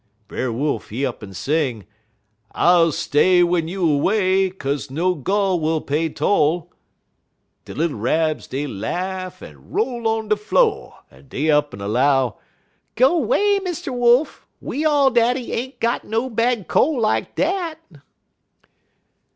"Brer Wolf, he up'n sing: "'I'll stay w'en you away, 'Kaze no gol' will pay toll!' "De little Rabs dey laugh en roll on de flo', en dey up'n 'low: "'Go 'way, Mr. Wolf! We all daddy ain't got no bad col' lak dat.'